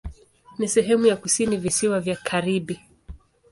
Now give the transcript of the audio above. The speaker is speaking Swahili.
Ni sehemu ya kusini Visiwa vya Karibi.